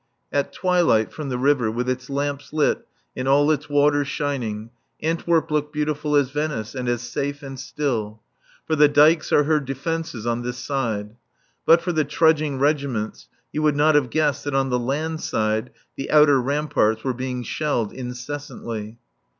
At twilight, from the river, with its lamps lit and all its waters shining, Antwerp looked beautiful as Venice and as safe and still. For the dykes are her defences on this side. But for the trudging regiments you would not have guessed that on the land side the outer ramparts were being shelled incessantly.